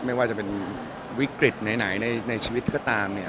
ไม่ว่าจะเป็นวิกฤตไหนในชีวิตก็ตามเนี่ย